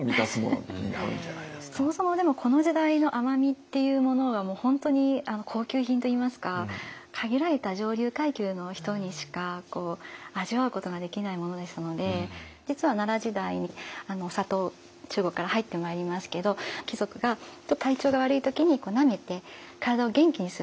そもそもでもこの時代の甘味っていうものはもう本当に高級品といいますか限られた上流階級の人にしか味わうことができないものですので実は奈良時代にお砂糖中国から入ってまいりますけど貴族が体調が悪い時になめて体を元気にする。